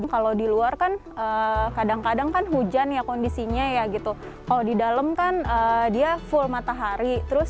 kalau di luar kadang kadang hujan kondisinya kalau di dalam full matahari